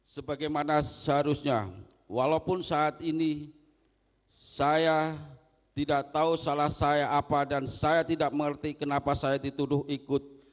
sebagai mana seharusnya walaupun saat ini saya tidak tahu salah saya apa dan saya tidak mengerti kenapa saya dituduh ikut